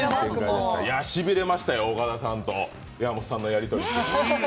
しびれましたよ、岡田さんと山本さんのやり取り。